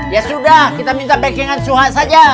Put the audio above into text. ya sudah kita minta back ingan suha saja